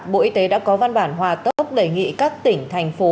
bộ y tế đã có văn bản hòa tốc đề nghị các tỉnh thành phố